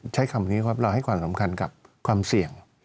ใช้คำนี้ครับเราให้ความสำคัญกับความเสี่ยง